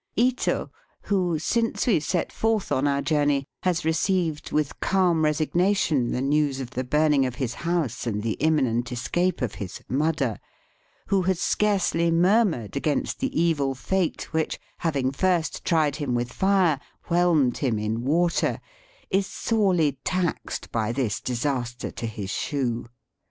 Ito, who, since we set forth on our journey, has received with calm resig nation the news of the burning of his house and the imminent escape of his ^^mudder," who has scarcely murmured against the evil fate which, having first tried him with fire, whelmed him in water, is sorely taxed by this disaster to his shoe.